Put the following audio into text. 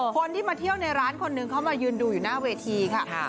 คนที่มาเที่ยวในร้านคนนึงเข้ามายืนดูอยู่หน้าเวทีค่ะ